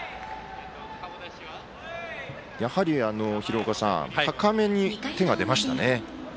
廣岡さん、高めに手が出ましたね。